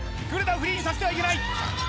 フリーにさせてはいけない。